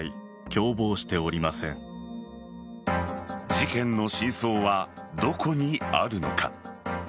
事件の真相はどこにあるのか。